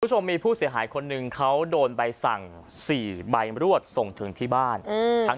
คุณผู้ชมมีผู้เสียหายคนหนึ่งเขาโดนใบสั่ง๔ใบรวดส่งถึงที่บ้าน